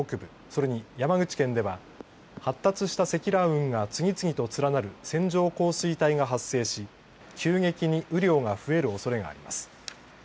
それに山口県では発達した積乱雲が次々と連なる線状降水帯が発生し急激に雨量が増えるおそれがあります。